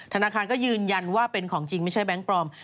ธนาคารก็ยืนยันว่าเป็นของจริงไม่ใช่แบงค์ปลอม